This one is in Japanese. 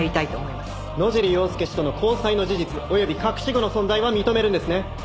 野尻要介氏との交際の事実及び隠し子の存在は認めるんですね？